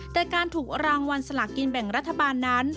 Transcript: แต่การถูกรางวัลสลากินแบ่งรัฐบาลนั้น